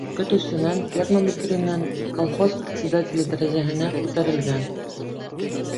Көтөүсенән, ферма мөдиренән колхоз председателе дәрәжәһенә күтәрелгән!